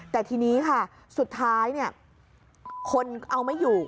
แต่ทีนี้ค่ะสุดท้ายคนเอาไม่อยู่